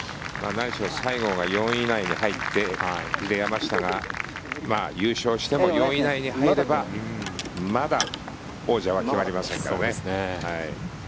なんにしろ西郷が４位以内に入って山下が優勝しても４位以内に入ればまだ、王者は決まりませんからね。